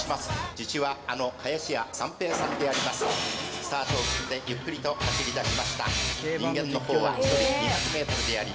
父はあの林家三平さんでありますスタートを切ってゆっくりと走りだしました人間の方は１人２００ｍであります